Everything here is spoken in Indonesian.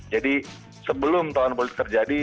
jadi sebelum tahun politik terjadi